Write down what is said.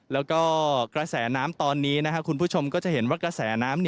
แล้วก็กระแสน้ำตอนนี้คุณผู้ชมก็จะเห็นว่ากระแสน้ำ